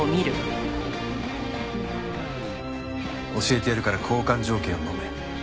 教えてやるから交換条件をのめ。